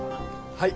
はい！